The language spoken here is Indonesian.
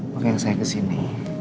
mungkin saya kesini